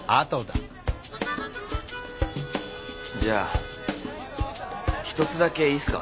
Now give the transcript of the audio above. じゃあ１つだけいいっすか？